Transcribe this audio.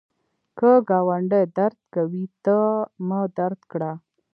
که ګاونډی درد کوي، تا مه درد کړه